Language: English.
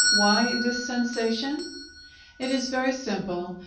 "Why this sensation?" It is very simple.